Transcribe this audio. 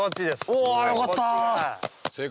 およかった！